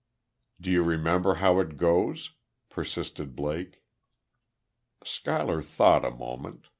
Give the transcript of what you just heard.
"Do you remember how it goes?" persisted Blake. Schuyler thought a moment.